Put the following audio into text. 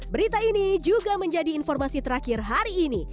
berita ini juga menjadi informasi terakhir hari ini